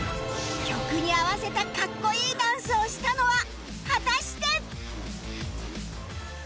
曲に合わせたかっこいいダンスをしたのは果たして